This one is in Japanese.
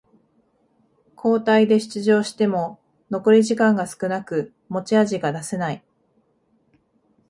交代で出場しても残り時間が少なく持ち味が出せない